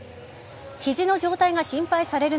肘の状態が心配される